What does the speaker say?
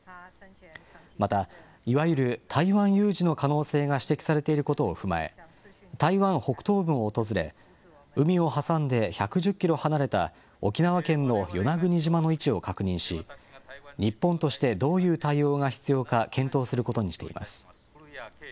また、いわゆる台湾有事の可能性が指摘されていることを踏まえ、台湾北東部を訪れ、海を挟んで１１０キロ離れた沖縄県の与那国島の位置を確認し、日本として、どういう対応が必要か検討することにしています。